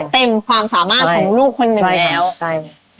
เต็มความสามารถของลูกคนหนึ่งแล้วใช่